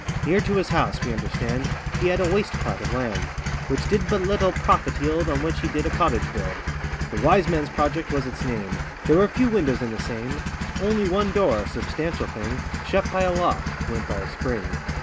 Near to his house, we understand, He had a waste plat of land, Which did but little profit yield, On which he did a cottage build. The Wise Man's Project was its name; There were few windows in the same; Only one door, substantial thing, Shut by a lock, went by a spring.